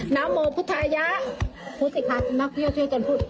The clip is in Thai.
น้ำโมพุทยาพูดสิคะนักเที่ยวเที่ยวกันพูด